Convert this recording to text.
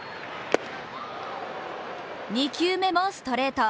２球目もストレート。